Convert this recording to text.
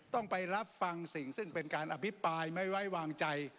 ต้องไปรับฟังสิ่งซึ่งเป็นการอภิปรายไม่ไว้วางใจ